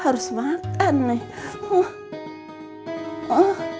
harus makan nih